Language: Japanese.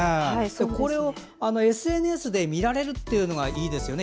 これをＳＮＳで見られるというのがいいですよね。